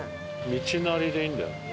道なりでいいんだよね。